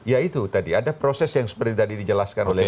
ya itu tadi ada proses yang seperti tadi dijelaskan oleh